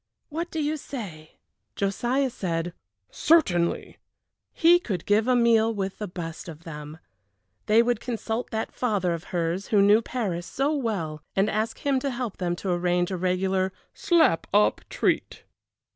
What do you say?" Josiah said, "Certainly!" He could give a meal with the best of them! They would consult that father of hers, who knew Paris so well, and ask him to help them to arrange a regular "slap up treat."